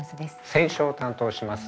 選書を担当します